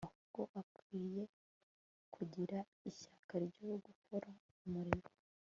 ahubwo akwiriye kugira ishyaka ryo gukora umurimo